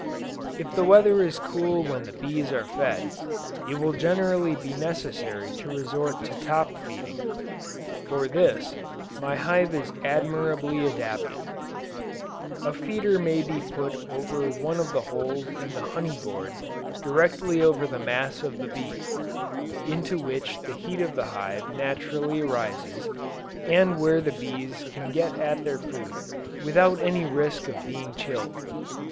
If the weather is cool when bees are fed, it will generally be necessary to resort to top feeding. For this, my hive is admirably adapted: a feeder may be put over one of the holes in the honey board directly over the mass of the bees, into which the heat of the hive naturally arises, and where the bees can get at their food without any risk of being chilled.